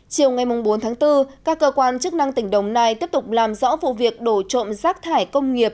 chiều ngày bốn tháng bốn các cơ quan chức năng tỉnh đồng nai tiếp tục làm rõ vụ việc đổ trộm rác thải công nghiệp